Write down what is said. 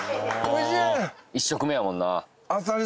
１食目やもんな